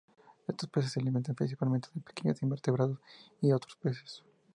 Estos peces se alimentan principalmente de pequeños invertebrados y de otros peces.